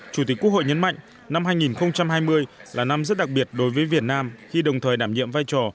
chủ tịch quốc hội nhấn mạnh năm hai nghìn hai mươi là năm rất đặc biệt đối với việt nam khi đồng thời đảm nhiệm vai trò